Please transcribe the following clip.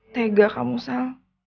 tega kamu sel